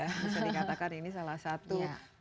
bisa dikatakan ini salah satu